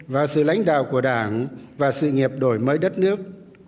và sự lãnh đạo của đảng và sự nghiệp đổi mới đất nước